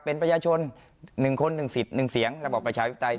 เป็นประชาชนหนึ่งคนหนึ่งสิทธิ์หนึ่งเสียงระบบประชาวิทธิ์ไทย